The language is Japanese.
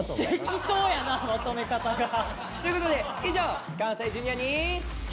適当やなまとめ方が！ということで以上「関西Ｊｒ．にＱ」！